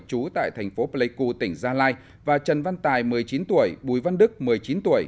trú tại thành phố pleiku tỉnh gia lai và trần văn tài một mươi chín tuổi bùi văn đức một mươi chín tuổi